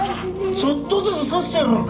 ちょっとずつ刺してやろうか？